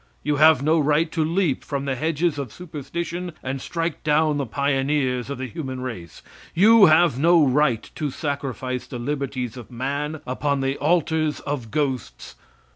You have no right to leap from the hedges of superstition and strike down the pioneers of the human race. You have no right to sacrifice the liberties of man upon the altars of ghosts.